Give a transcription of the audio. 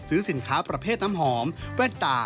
ซื้อสินค้าประเภทน้ำหอมแว่นตา